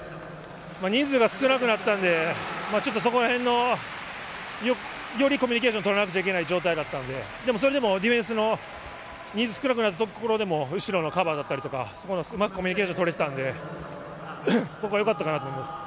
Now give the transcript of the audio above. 人数が少なくなったので、よりコミュニケーションを取らなくちゃいけなかったので、それでもディフェンスの人数、少なくなったところでも後ろのカバーだったりとか、コミュニケーションを取れていたので、そこは良かったかなと思います。